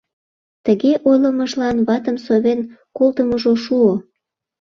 Тыге ойлымыжлан ватым совен колтымыжо шуо.